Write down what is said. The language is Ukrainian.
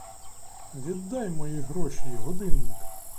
Віддай мої гроші й годинник!